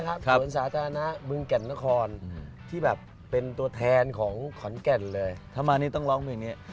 ครับสาธารณะเมืองแก่ละครที่แบบเป็นตัวแปลงของขนแอดเลยถ้ามานี้ต้องไปที่